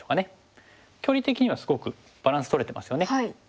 距離的にはすごくバランスとれてますよね。